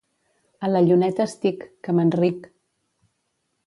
A la lluneta estic, que me'n ric.